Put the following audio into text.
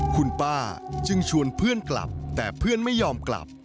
คุณป้าจึงชวนเพื่อนกลับแต่เพื่อนไม่ยอมกลับ